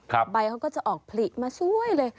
ครับใบเขาก็จะออกผลิกมาซวยเลย